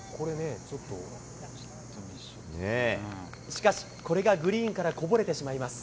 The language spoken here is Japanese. しかし、これがグリーンからこぼれてしまいます。